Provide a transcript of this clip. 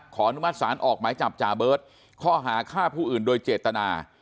อนุมัติศาลออกหมายจับจ่าเบิร์ตข้อหาฆ่าผู้อื่นโดยเจตนา